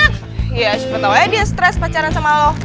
ya sepertinya dia stres pacaran sama lo